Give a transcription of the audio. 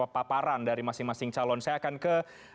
paparan dari masing masing calon saya akan ke